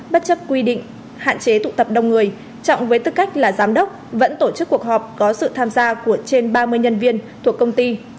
bất chấp quy định hạn chế tụ tập đông người trọng với tư cách là giám đốc vẫn tổ chức cuộc họp có sự tham gia của trên ba mươi nhân viên thuộc công ty